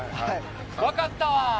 分かったわ。